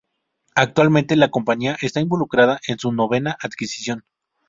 Actualmente, la compañía está involucrada en su novena adquisición.